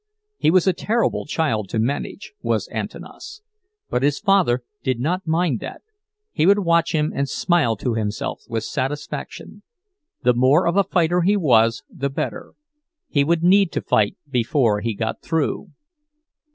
He was a terrible child to manage, was Antanas, but his father did not mind that—he would watch him and smile to himself with satisfaction. The more of a fighter he was the better—he would need to fight before he got through.